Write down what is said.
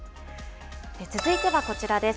続いてはこちらです。